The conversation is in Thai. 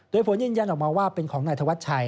โดยผลยืนยันออกมาว่าเป็นของนายธวัชชัย